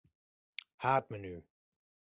Haadmenu.